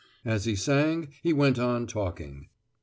As he sang, we went on talking.